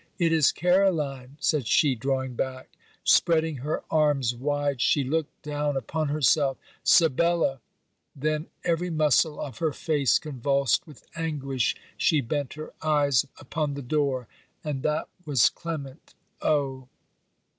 'It is Caroline!' said she, drawing back. Spreading her arms wide, she looked down upon herself: 'Sibella!' then, every muscle of her face convulsed with anguish, she bent her eyes upon the door 'and that was Clement! Oh!'